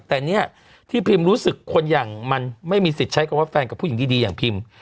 แต่เนี่ยที่พิมรู้สึกคนอย่างมันไม่มีสิทธิ์ใช้คำว่าแฟนกับผู้หญิงดีอย่างพิม